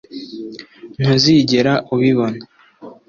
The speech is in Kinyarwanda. Ntuzigera ubibona